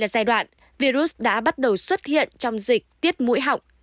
ở giai đoạn virus đã bắt đầu xuất hiện trong dịch tiết mũi họng